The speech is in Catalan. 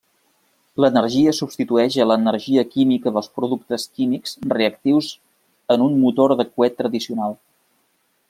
L'energia substitueix a l'energia química dels productes químics reactius en un motor de coet tradicional.